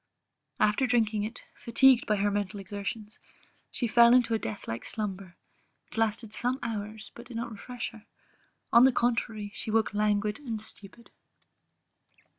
After drinking it, fatigued by her mental exertions, she fell into a death like slumber, which lasted some hours; but did not refresh her, on the contrary, she awoke languid and stupid.